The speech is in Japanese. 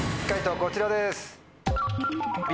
解答こちらです。